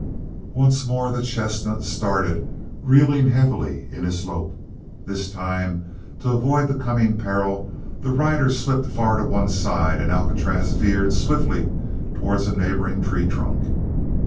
Once more the chestnut started, reeling heavily in his lope. This time, to avoid the coming peril, the rider slipped far to one side and Alcatraz veered swiftly towards a neighboring tree trunk.